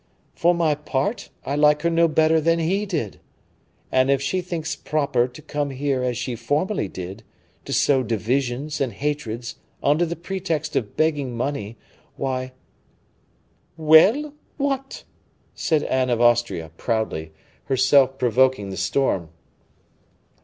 "For my part, I like her no better than he did, and if she thinks proper to come here as she formerly did, to sow divisions and hatreds under the pretext of begging money why " "Well! what?" said Anne of Austria, proudly, herself provoking the storm.